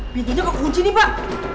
pintunya kok kunci pak